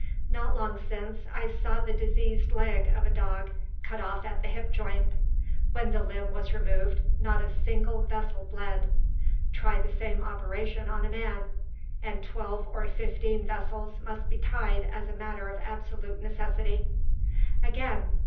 "Not long since, I saw the diseased leg of a dog cut off at the hip joint. When the limb was removed, not a single vessel bled. Try the same operation on a man and twelve or fifteen vessels must be tied as a matter of absolute necessity. "Again.